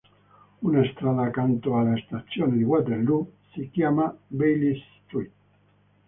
Una strada accanto alla stazione di Waterloo si chiama Baylis Street.